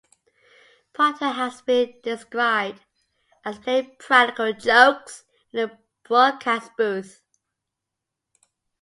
Proctor has been described as playing practical jokes in the broadcast booth.